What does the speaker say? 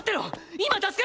今助ける！